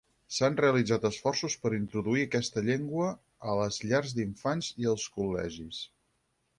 S'han realitzat esforços per introduir aquesta llengua a les llars d'infants i als col·legis.